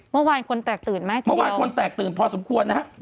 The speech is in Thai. เมื่อวานคนแตกตื่นไหมเมื่อวานคนแตกตื่นพอสมควรนะฮะ